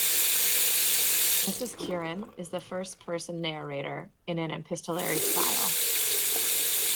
Mrs Curren is the first person narrator in an epistolary style.